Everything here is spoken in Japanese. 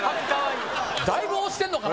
だいぶ押してんのかな